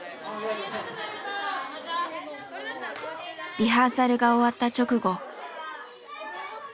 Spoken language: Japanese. リハーサルが終わった直後。